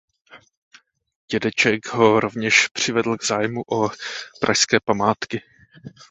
Dědeček ho rovněž přivedl k zájmu o pražské památky.